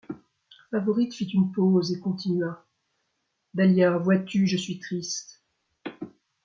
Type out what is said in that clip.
Favourite fit une pause, et continua :— Dahlia, vois-tu je suis triste.